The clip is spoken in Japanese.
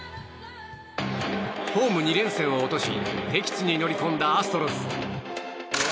ホーム２連戦を落とし敵地に乗り込んだアストロズ。